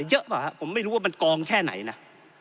เยอะเปล่าครับผมไม่รู้ว่ามันกองแค่ไหนนะ